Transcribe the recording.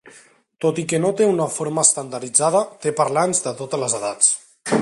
Tot i que no té una forma estandarditzada, té parlants de totes les edats.